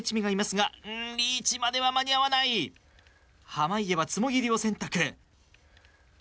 濱家はツモ切りを選択。